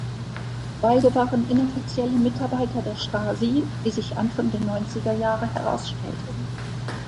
Beide waren Inoffizielle Mitarbeiter der Stasi, wie sich Anfang der Neunzigerjahre herausstellte.